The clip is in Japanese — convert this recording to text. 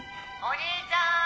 お兄ちゃーん！